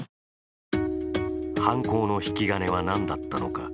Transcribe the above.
犯行の引き金は何だったのか。